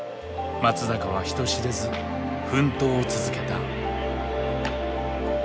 松坂は人知れず奮闘を続けた。